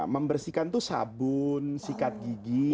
membersihkan itu sabun sikat gigi